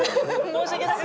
申し訳ない。